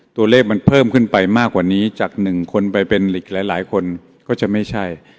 ตัวเลขมันเพิ่มขึ้นไปมากกว่านี้จากหนึ่งคนไปเป็นหลีกหลายคนก็จะไม่ใช่